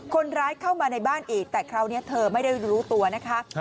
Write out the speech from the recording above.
คนร้ายเข้ามาในบ้านอีกแต่คราวนี้เธอไม่ได้รู้ตัวนะคะ